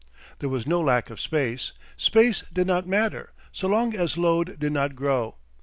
There was no lack of space. Space did not matter, so long as load did not grow.